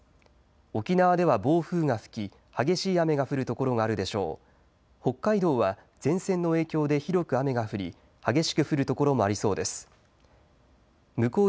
沖縄では暴風が吹き激しい雨が降る所があるでしょう。